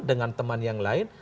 dengan teman yang lain